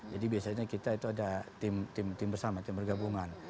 jadi biasanya kita itu ada tim tim bersama tim bergabungan